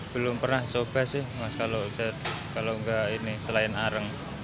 belum pernah coba sih mas kalau enggak ini selain arang